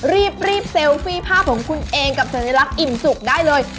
รีบเซลฟี่ภาพของคุณเองกับสัญลักษณ์อิ่มสุกได้เลย